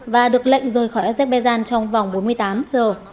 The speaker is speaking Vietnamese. và được lệnh rời khỏi azerbaijan trong vòng bốn mươi tám giờ